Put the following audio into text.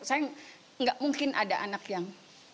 saya nggak mungkin ada anak yang